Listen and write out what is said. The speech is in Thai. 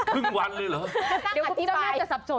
ครึ่งวันเลยเหรอ